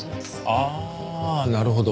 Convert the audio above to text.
ああなるほど。